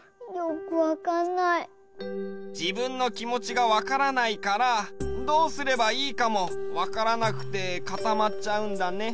じぶんのきもちがわからないからどうすればいいかもわからなくてかたまっちゃうんだね。